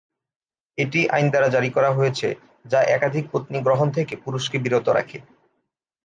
এটি আইন দ্বার জারি করা হয়েছে যা একাধিক পত্নী গ্রহণ থেকে পুরুষকে বিরত রাখে।